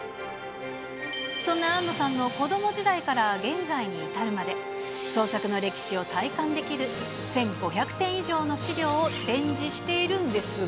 そんな庵野さんの子ども時代から現在に至るまで、創作の歴史を体感できる１５００点以上の資料を展示しているんですが。